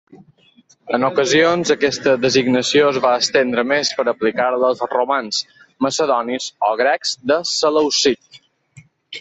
En ocasions, aquesta designació es va estendre més per aplicar-la als romans, macedonis o grecs de Seleucid.